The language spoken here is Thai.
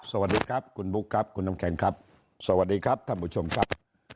สวัสดีครับคุณบุ๊คครับคุณน้ำแข็งครับสวัสดีครับท่านผู้ชมครับ